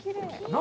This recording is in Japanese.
何？